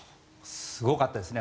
すごかったですね。